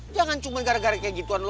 jangan cuma gara gara kayak gituan dulu